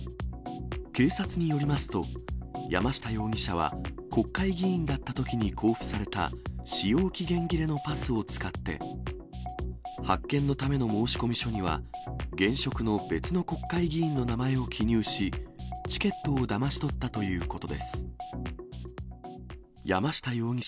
警察によりますと、山下容疑者は、国会議員だったときに交付された使用期限切れのパスを使って、発券のための申込書には、現職の別の国会議員の名前を記入し、チケットをだまし取ったということです。